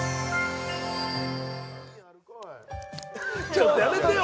ちょっとやめてよ